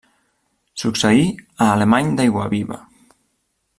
Succeí a Alemany d'Aiguaviva.